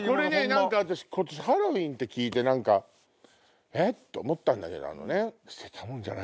私ハロウィーンって聞いてえっ？と思ったんだけどね。